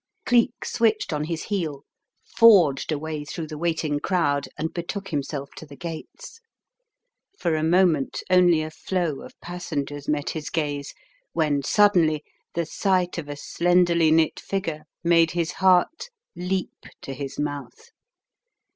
Cleek switched on his heel, forged a way through the waiting crowd, and betook himself to the gates. For a moment only a flow of passengers met his gaze, when suddenly the sight of a slenderly knit figure made his heart leap to his mouth.